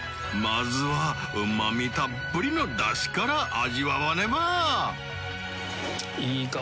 まずはうまみたっぷりのダシから味わわねば！